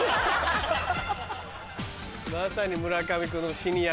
まさに村上君の死に役。